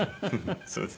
そうです。